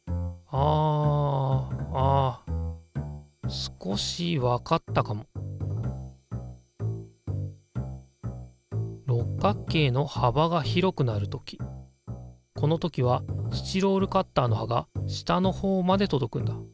ああ少しわかったかも六角形のはばが広くなる時この時はスチロールカッターのはが下のほうまで届くんだ。